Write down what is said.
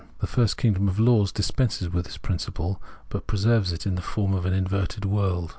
The first kingdom of laws dispenses with this principle, but preserves it in the form of an inverted world.